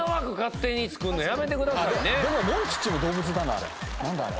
でもモンチッチも動物だなあれ。